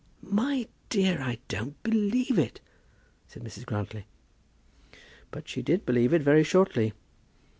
"My dear, I don't believe it," said Mrs. Grantly. But she did believe it very shortly.